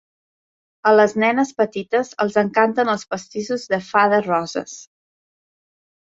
A les nenes petites els encanten els pastissos de fades roses.